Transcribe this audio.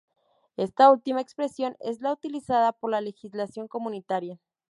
Esta última expresión es la utilizada por la legislación comunitaria.